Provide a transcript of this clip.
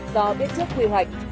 do biết trước quy hoạch